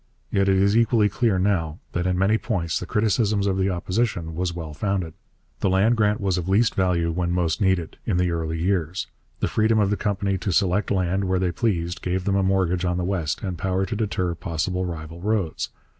Yet it is equally clear now that in many points the criticism of the Opposition was well founded. The land grant was of least value when most needed in the early years. The freedom of the company to select land where they pleased gave them a mortgage on the West and power to deter possible rival roads.